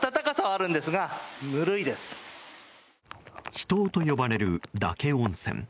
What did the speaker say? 秘湯と呼ばれる嶽温泉。